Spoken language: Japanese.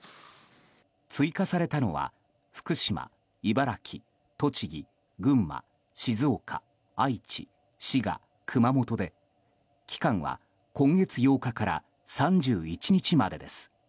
追加されたのは福島、茨城、栃木、群馬静岡、愛知、滋賀、熊本で期間は今月８日から３１日までです。